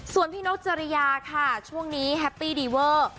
ส่วนพี่นกจริยาค่ะช่วงนี้แฮปปี้ดีเวอร์